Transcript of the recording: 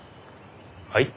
はい？